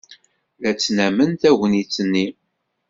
La ttnamen tagnit-nni.